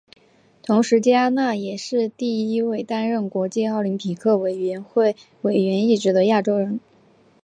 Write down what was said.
同时嘉纳也是第一位担任国际奥林匹克委员会委员一职的亚洲人。